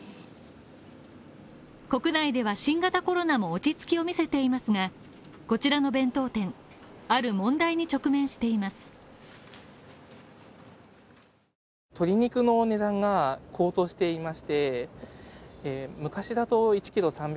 国内では新型コロナも落ち着きを見せていますが、こちらの弁当店ある問題に直面しています。